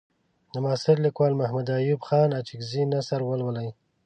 د معاصر لیکوال محمد ایوب خان اڅکزي نثر ولولئ.